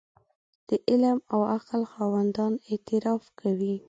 د علم او عقل خاوندان اعتراف کوي.